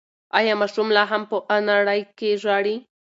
ایا ماشوم لا هم په انړۍ کې ژاړي؟